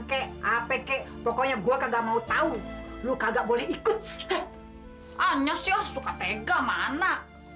kek apa kek pokoknya gua kagak mau tahu lu kagak boleh ikut anjir suka tega mana